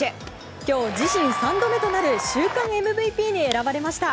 今日、自身３度目となる週間ＭＶＰに選ばれました。